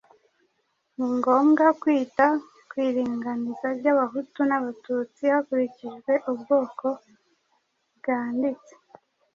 ni ngombwa kwita ku iringaniza ry'Abahutu n'Abatutsi hakurikijwe ubwoko bwanditse